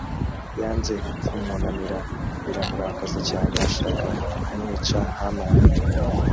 yanze kumwunamira biramurakaza cyane ashaka kumwica hamani